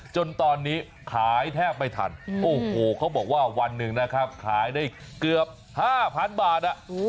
จนตอนนี้ขายแทบไม่ทันโอ้โหเขาบอกว่าวันหนึ่งนะครับขายได้เกือบ๕๐๐๐บาท